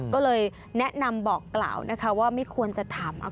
ก็เลยแนะนำบอกกล่าวนะคะว่าไม่ควรจะถาม